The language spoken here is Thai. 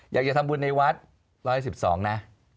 อยากจะทำบุญในวัด๑๑๒นะ